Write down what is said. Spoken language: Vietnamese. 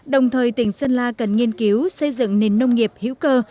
đồng thời tỉnh sơn la cần nghiên cứu xây dựng nền nông nghiệp hữu cơ